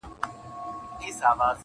بلبلو باندي اوري آفتونه لکه غشي.!